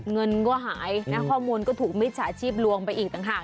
เงินก็หายนะข้อมูลก็ถูกมิจฉาชีพลวงไปอีกต่างหาก